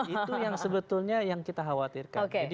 itu yang sebetulnya yang kita khawatirkan